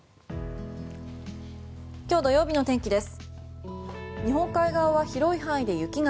明日、日曜日の天気です。